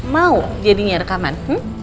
mau jadinya rekaman